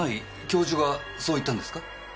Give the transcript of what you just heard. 教授がそう言ったんですか？